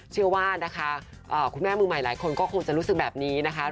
เชื่อว่านะคะคุณแม่มือใหม่หลายคนก็คงจะรู้สึกแบบนี้นะคะ